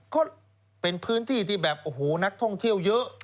ก็เป็นพื้นที่ที่แบบโอ้โหนักท่องเที่ยวเยอะ